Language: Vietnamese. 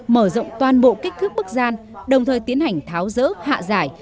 mở rộng toàn bộ kích thước bức gian đồng thời tiến hành tháo rỡ hạ giải